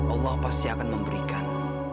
allah pasti akan memberikan